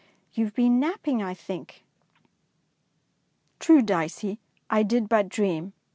You have been napping, I think. ^'True, Dicey, I did but dream.